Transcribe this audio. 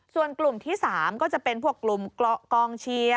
ส่วนกลุ่มที่๓ก็จะเป็นพวกกลุ่มกองเชียร์